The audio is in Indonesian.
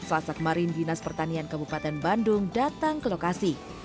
selasa kemarin dinas pertanian kabupaten bandung datang ke lokasi